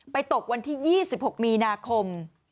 ตกวันที่๒๖มีนาคม